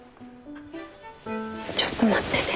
ちょっと待ってて。